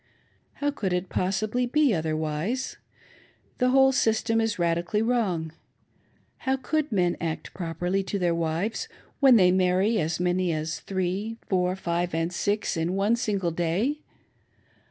How could it possibly be otherwise .' The whole system is radically wrong. How could men act properly to their wives when they marry as many as three, four, five, and six in one single day